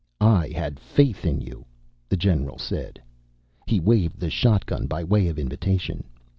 "I had faith in you," the general said. He waved the shotgun by way of invitation.